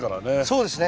そうですね。